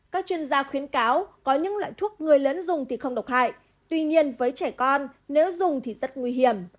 các chuyên gia khuyến cáo có những loại thuốc người lớn dùng thì không độc hại tuy nhiên với trẻ con nếu dùng thì rất nguy hiểm